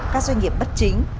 các doanh nghiệp bất chính